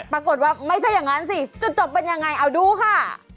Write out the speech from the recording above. ปรากฏว่าไม่ใช่อย่างนั้นสิจุดจบเป็นยังไงเอาดูค่ะ